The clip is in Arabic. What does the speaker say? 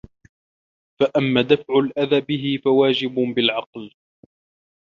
فَأَمَّا دَفْعُ الْأَذَى بِهِ فَوَاجِبٌ بِالْعَقْلِ